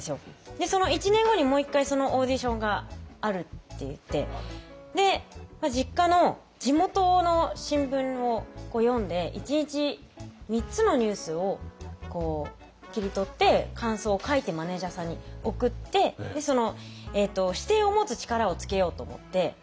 でその１年後にもう１回そのオーディションがあるっていって実家の地元の新聞を読んで一日３つのニュースを切り取って感想を書いてマネージャーさんに送って視点を持つ力をつけようと思って。